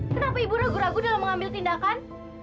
kenapa ibu ragu ragu dalam mengambil tindakan